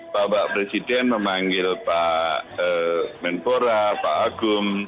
bapak presiden memanggil pak menpora pak agung